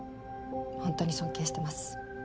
ホントに尊敬してます。